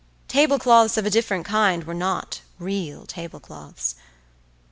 Tablecloths of a different kind were not real tablecloths.